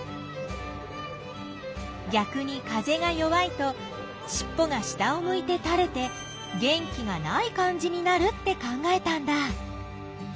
ぎゃくに風が弱いとしっぽが下をむいてたれて元気がない感じになるって考えたんだ。